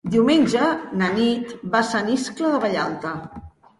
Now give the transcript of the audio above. Diumenge na Nit va a Sant Iscle de Vallalta.